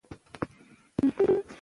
که ماشوم تمرکز ونه کړي، ملاتړ یې وکړئ.